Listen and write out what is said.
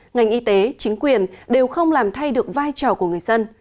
ngành y tế chính quyền đều không làm thay được vai trò của người dân